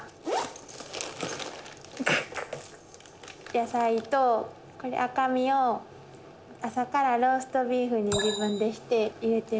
野菜とこれ赤身を朝からローストビーフに自分でして入れてるんです。